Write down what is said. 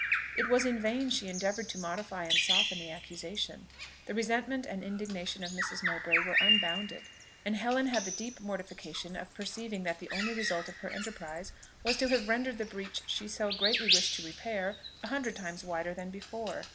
It was in vain she endeavoured to modify and soften the accusation, the resentment and indignation of Mrs. Mowbray were unbounded; and Helen had the deep mortification of perceiving that the only result of her enterprise was to have rendered the breach she so greatly wished to repair a hundred times wider than before.